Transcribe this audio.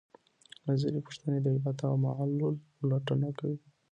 نظري پوښتنې د علت او معلول لټون کوي.